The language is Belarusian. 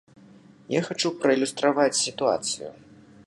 Я хачу праілюстраваць сітуацыю.